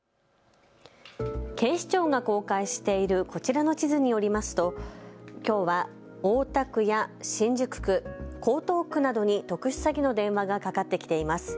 警視庁が公開しているこちらの地図によりますときょうは大田区や新宿区、江東区などに特殊詐欺の電話がかかってきています。